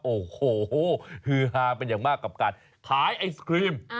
โอ้โหฮือฮาเป็นอย่างมากกับการขายไอศครีม